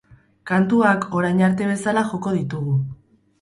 Kantuak orain arte bezala joko ditugu.